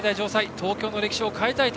東京の歴史を変えたいと。